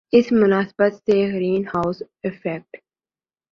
اسی مناسبت سے گرین ہاؤس ایفیکٹ